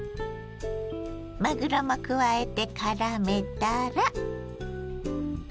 まぐろも加えてからめたら。